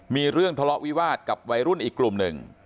มีเรื่องทะเลาะวิวาสกับวัยรุ่นอีกกลุ่มหนึ่ง